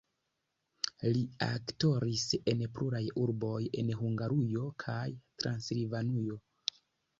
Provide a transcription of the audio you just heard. Li aktoris en pluraj urboj en Hungarujo kaj Transilvanujo.